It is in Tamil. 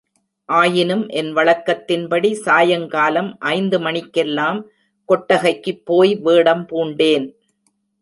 ஆயினும் என் வழக்கத்தின்படி சாயங்காலம் ஐந்து மணிக்கெல்லாம் கொட்டகைக்குப் போய், வேடம் பூண்டேன்.